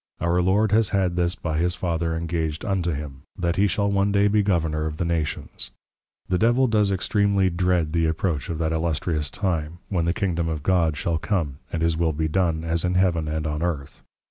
Our Lord has had this by his Father Engag'd unto him, That he shall one day be Governour of the Nations. The Devil doe's extreamly dread the approach of that Illustrious time, when _The Kingdom of God shall come and his Will be done, as in Heaven, and on Earth.